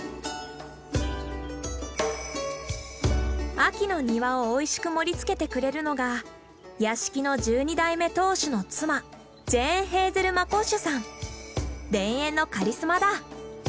秋の庭をおいしく盛りつけてくれるのが屋敷の田園のカリスマだ。